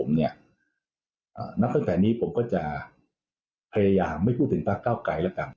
หลังจากนี้ผมก็จะพยายามไม่พูดถึงภาคเก้าไกลแล้วกัน